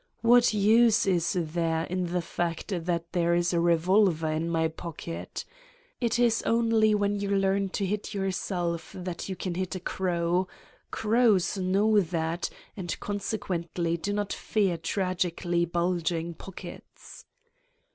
What use is there in the fact that there is a revolver in my pocket? It is only when you learn to hit yourself that you can hit a crow : crows know that and consequently do not fear tragically bulging pockets.